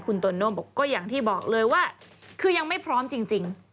คุณตนนโก้มอย่างที่บอกค่อนข้างคือยังไม่พร้อมจริง